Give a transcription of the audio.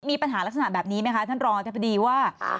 มีปัญหาลักษณะแบบนี้ไหมคะท่านรองอธิบดีว่า